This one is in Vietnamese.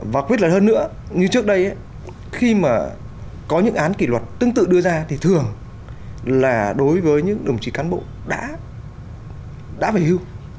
và quyết liệt hơn nữa như trước đây khi mà có những án kỷ luật tương tự đưa ra thì thường là đối với những đồng chí cán bộ đã về hưu